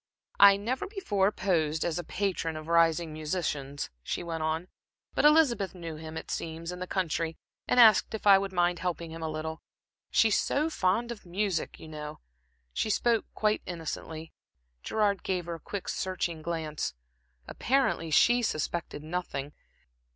"I never before posed as a patron of rising musicians," she went on, "but Elizabeth knew him, it seems, in the country, and asked if I would mind helping him a little. She's so fond of music, you know." She spoke quite innocently. Gerard gave her a quick, searching glance. Apparently she suspected nothing.